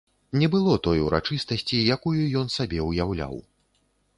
Не было той урачыстасці, якую ён сабе ўяўляў.